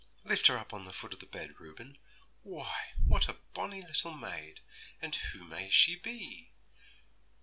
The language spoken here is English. Lift her up on the foot of the bed, Reuben. Why, what a bonny little maid! and who may she be?'